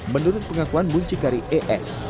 menurut pengakuan muncikari es